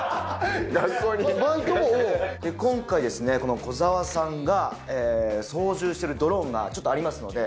今回この小澤さんが操縦してるドローンがちょっとありますので。